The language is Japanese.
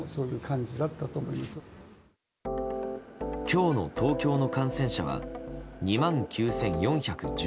今日の東京の感染者は２万９４１６人。